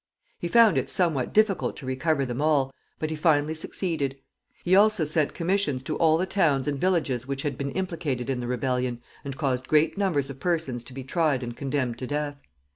He found it somewhat difficult to recover them all, but he finally succeeded. He also sent commissions to all the towns and villages which had been implicated in the rebellion, and caused great numbers of persons to be tried and condemned to death.